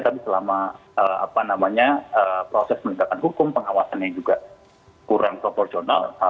tapi selama apa namanya proses meningkatkan hukum pengawasannya juga kurang proporsional